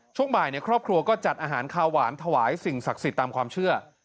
ช่วงบ่ายครอบครัวก็จัดอาหารคาวหวานถวายสิ่งศักดิ์สิทธิ์ตามความเชื่อ